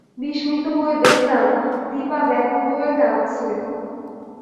বিস্মিত হয়ে দেখলাম, দিপা ব্যাকুল হয়ে কাঁদছে।